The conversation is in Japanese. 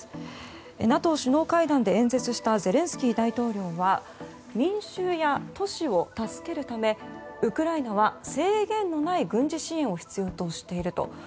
ＮＡＴＯ首脳会談で演説したゼレンスキー大統領は民衆や都市を助けるため、ウクライナは制限のない軍事支援を必要としていると。